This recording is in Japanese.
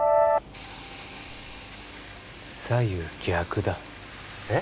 左右逆だえっ？